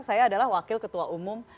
saya adalah wakil ketua umum